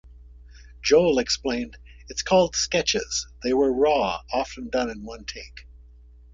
Joel explained "It's called "Sketches" they were raw, often done in one take.